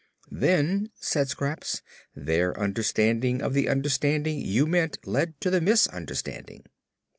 "Then," said Scraps, "their understanding of the understanding you meant led to the misunderstanding."